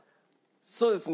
そうですね